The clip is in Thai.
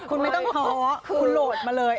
คุณไม่ต้องท้อคุณโหลดมาเลย